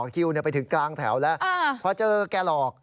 กลับไปถึงต่างแถวแล้วพอเจอแก่หลอก